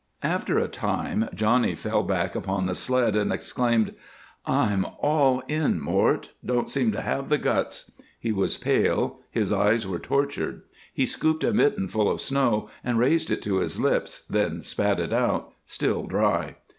After a time Johnny fell back upon the sled and exclaimed: "I'm all in, Mort. Don't seem to have the guts." He was pale, his eyes were tortured. He scooped a mitten full of snow and raised it to his lips, then spat it out, still dry.